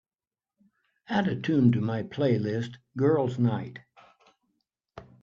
Add a tune to my playlist girls' night